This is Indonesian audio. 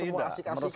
menurut saya tidak